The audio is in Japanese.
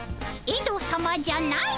エドじゃない。